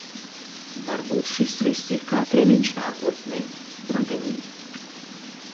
Varbūt šis viss ir kā treniņš nākotnei? Rudenī.